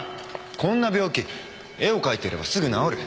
こんな病気絵を描いてればすぐ治る。